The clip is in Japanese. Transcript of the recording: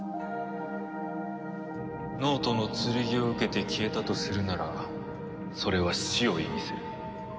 脳人の剣を受けて消えたとするならそれは死を意味する。